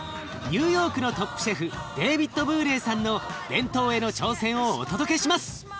ニューヨークのトップシェフデービッド・ブーレイさんの弁当への挑戦をお届けします。